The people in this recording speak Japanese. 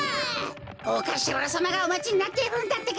おかしらさまがおまちになっているんだってか！